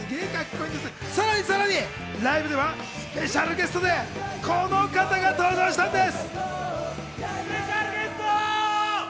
さらに、ライブではスペシャルゲストでこの方が登場したんです。